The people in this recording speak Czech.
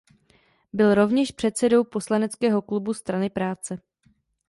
Byl rovněž předsedou poslaneckého klubu Strany práce.